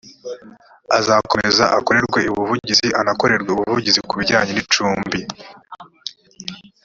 azakomeza akorerwe ubuvugizi anakorerwe ubuvugizi ku bijyanye n’icumbi